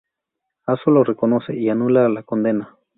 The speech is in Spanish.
Azzo lo reconoce, y anula la condena.